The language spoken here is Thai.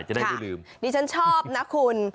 จะได้ไม่ลืมดิฉันชอบนะคุณ